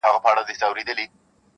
ګلکده به ستا تر پښو لاندي بیدیا سي,